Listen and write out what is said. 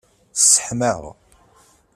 Sseḥmaɣ.